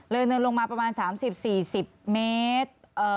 เนินลงมาประมาณ๓๐๔๐เมตร